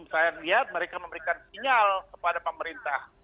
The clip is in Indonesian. saya lihat mereka memberikan sinyal kepada pemerintah